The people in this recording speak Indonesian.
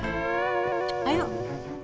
jalan tadi dalem lagi